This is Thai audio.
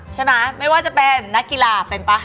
ไม่ว่าจะเป็นนักกีฬาเป็นป่ะ